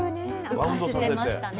浮かせてましたね。